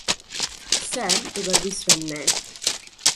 Sam এবার বিশ্রাম নেয়।